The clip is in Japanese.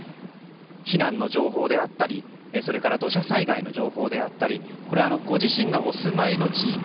避難の情報であったり土砂災害の情報であったりこれはご自身がお住まいの地域。